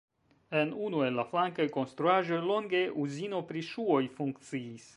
En unu el la flankaj konstruaĵoj longe uzino pri ŝuoj funkciis.